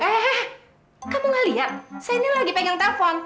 eh kamu gak liat saya ini lagi pegang telfon